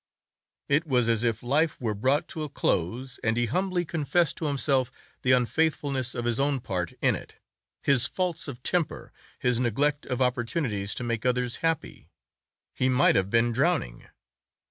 It was as if life were brought to a close, and he humbly confessed to himself the unfaithfulness of his own part in it, his faults of temper, his neglect of opportunities to make others happy. He might have been drowning.